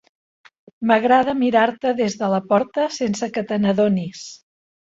M'agrada mirar-te des de la porta sense que te n'adonis.